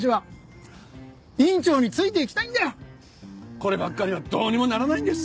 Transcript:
こればっかりはどうにもならないんです。